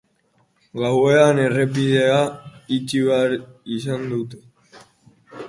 Gauean errepidea itxi behar izan dute.